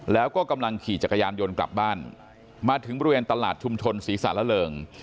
แล้วก็กำลังขี่จักรยานยนต์กลับบ้านมาถึงบริเวณตลาดชุมชนศรีสารเริง